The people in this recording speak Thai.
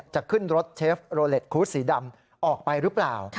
จะขึ้นรถเชฟโรเล็ตคูสสีดำออกไปหรือเปล่า